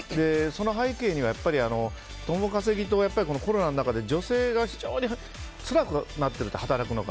その背景にはやっぱり共稼ぎとコロナの中で女性が非常につらくなっていると働くのが。